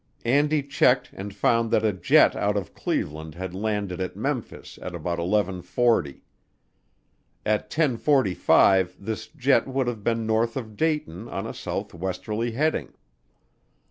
Andy checked and found that a jet out of Cleveland had landed at Memphis at about eleven forty. At ten forty five this jet would have been north of Dayton on a southwesterly heading.